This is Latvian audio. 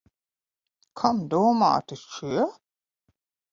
Kam domāti šie?